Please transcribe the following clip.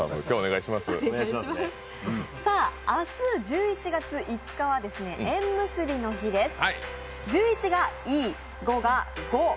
明日１１月５日は縁結びの日です。